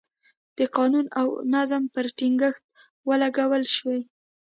د قانون او نظم پر ټینګښت ولګول شوې.